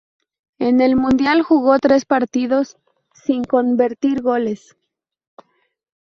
En el mundial jugó tres partidos, sin convertir goles.